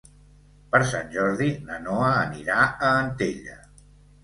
Per Sant Jordi na Noa anirà a Antella.